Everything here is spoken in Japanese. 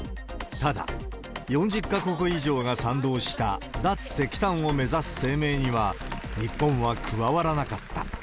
ただ、４０か国以上が賛同した脱石炭を目指す声明には、日本は加わらなかった。